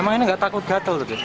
emang ini nggak takut jatuh